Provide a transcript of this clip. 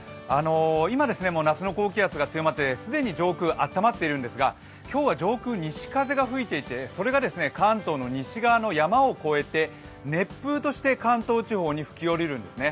今、夏の高気圧が強まって既に上空暖まっているんですが、今日は上空、西風が吹いていて、それが関東の西側の山を越えて、熱風として関東地方に吹き降りるんですね。